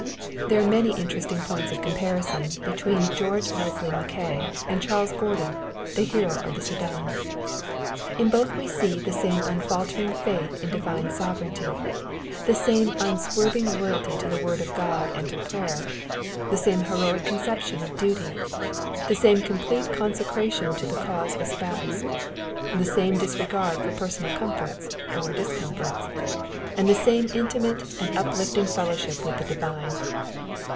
There are many interesting points of comparison between George Leslie Mackay and Charles Gordon, the hero of the Soudan. In both we see the same unfaltering faith in divine sovereignty, the same unswerving loyalty to the Word of God and to prayer, the same heroic conception of duty, the same complete consecration to the cause espoused, the same disregard for personal comforts or discomforts, and the same intimate and uplifting fellowship with the Divine.